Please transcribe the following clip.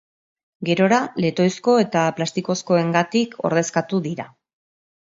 Gerora letoizko eta plastikozkoengatik ordezkatu dira.